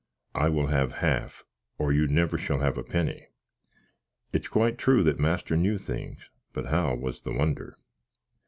I will have half, or you never shall have a penny." It's quite true that master knew things; but how was the wonder.